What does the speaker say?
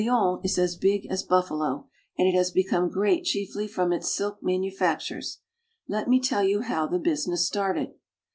Lyons is as big as Buffalo, and it has become great chiefly from its silk manufactures. Let me tell you how the business started.